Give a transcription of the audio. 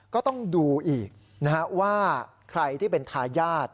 ก็ต้องดูอีกนะฮะว่าใครที่เป็นทายาท